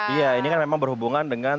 iya ini kan memang berhubungan dengan